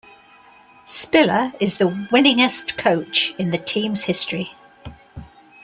Spiller is the winningest coach in the team's history.